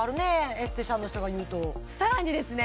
エステティシャンの人が言うとさらにですね